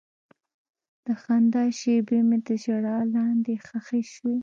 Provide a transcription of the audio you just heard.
د خندا شېبې مې د ژړا لاندې ښخې شوې.